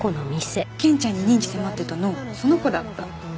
賢ちゃんに認知迫ってたのその子だった。